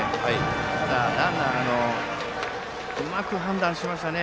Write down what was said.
ただ、ランナーもうまく判断しましたね。